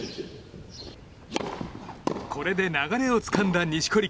これで流れをつかんだ錦織。